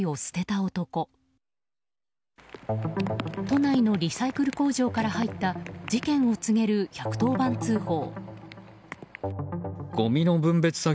都内のリサイクル工場から入った事件を告げる１１０番通報。